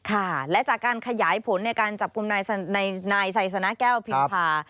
ค่ะและจากการขยายผลในการจับกลุ่มนายไซสนะแก้วพิมพา